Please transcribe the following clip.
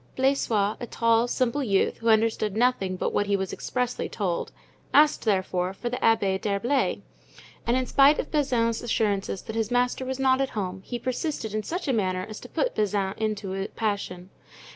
Blaisois, a tall, simple youth, who understood nothing but what he was expressly told, asked, therefore for the Abbé d'Herblay, and in spite of Bazin's assurances that his master was not at home, he persisted in such a manner as to put Bazin into a passion.